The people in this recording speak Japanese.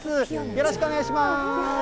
よろしくお願いします。